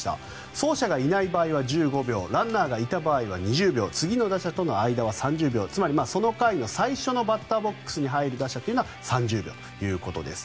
走者がいない場合は１５秒ランナーがいた場合は２０秒次の打者との間は３０秒つまりその回の最初のバッターボックスに入る打者というのは３０秒ということです。